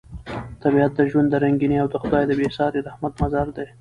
طبیعت د ژوند د رنګینۍ او د خدای د بې ساري رحمت مظهر دی.